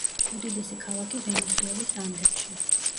უდიდესი ქალაქი ვენესუელის ანდებში.